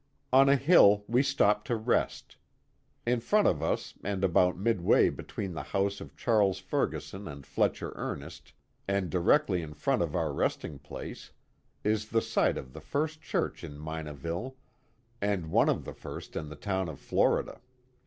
On a hill we stopped to rest. In front of us, and about midway between the house of Charles Ferguson and Fletcher Ernest, and directly in front of our resting place, js the site of the first church in Minaville, and one of the first in the town of Florida.